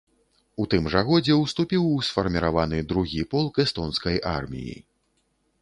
У тым жа годзе ўступіў у сфарміраваны другі полк эстонскай арміі.